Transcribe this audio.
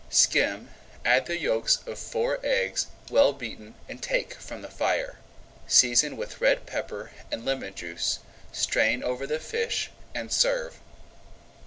Skim, add the yolks of four eggs well beaten and take from the fire. Season with red pepper and lemon juice, strain over the fish, and serve.